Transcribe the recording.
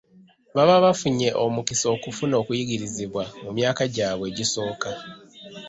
Baba bafunye omukisa okufuna okuyigirizibwa mu myaka gyabwe egisooka.